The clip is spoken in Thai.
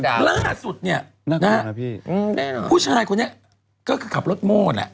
แล้วหลักสุดเนี่ยผู้ชายคนนี้ก็คือขับรถโม่นแหละ